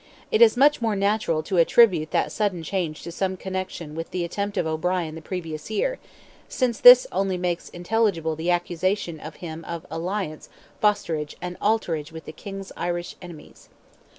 It is much more natural to attribute that sudden change to some connection with the attempt of O'Brien the previous year—since this only makes intelligible the accusation against him of "alliance, fosterage, and alterage with the King's Irish enemies."